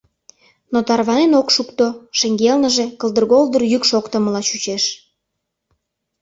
Но тарванен ок шукто, шеҥгелныже кылдыр-голдыр йӱк шоктымыла чучеш.